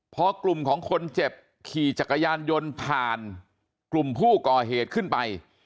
พอกลุ่มของคนเจ็บขี่จักรยานยนต์ผ่านกลุ่มผู้ก่อเหตุขึ้นไป